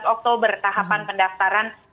tujuh belas oktober tahapan pendaftaran